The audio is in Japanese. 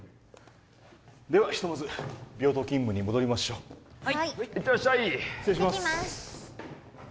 ではひとまず病棟勤務に戻りましょう行ってらっしゃい行ってきます